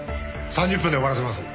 ３０分で終わらせます。